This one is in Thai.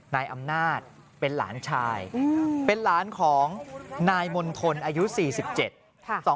นายอำนาจเป็นหลานชายเป็นหลานของนายมณฑลอายุ๔๗